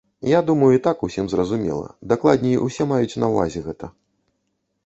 Я думаю, і так усім зразумела, дакладней усе маюць на ўвазе гэта.